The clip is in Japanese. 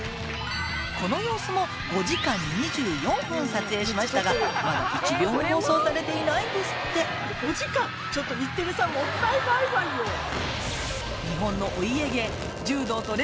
この様子も５時間２４分撮影しましたがまだ一秒も放送されていないんですって５時間⁉ちょっと日テレさんもったいないわよ！